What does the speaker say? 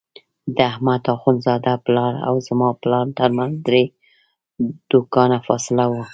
د احمد اخوندزاده پلار او زما پلار ترمنځ درې دوکانه فاصله وه.